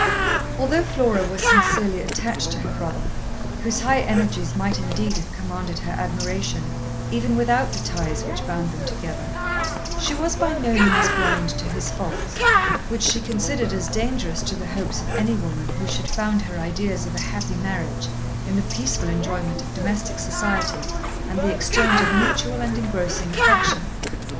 Although Flora was sincerely attached to her brother, whose high energies might indeed have commanded her admiration even without the ties which bound them together, she was by no means blind to his faults, which she considered as dangerous to the hopes of any woman who should found her ideas of a happy marriage in the peaceful enjoyment of domestic society and the exchange of mutual and engrossing affection.